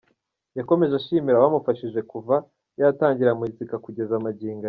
Yakomeje ashimira abamufashije kuva yatangira muzika kugeza magingo aya.